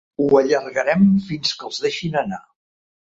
Ho allargarem fins que els deixin anar.